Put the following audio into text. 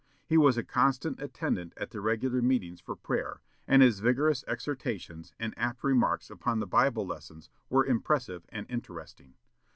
He was a constant attendant at the regular meetings for prayer, and his vigorous exhortations and apt remarks upon the Bible lessons were impressive and interesting.